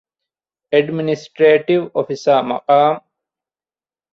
އެޑްމިނިސްޓްރޭޓިވް އޮފިސަރ މަޤާމު